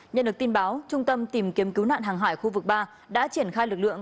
nhận được tin báo trung tâm tìm kiếm cứu nạn hàng hải khu vực ba đã triển khai lực lượng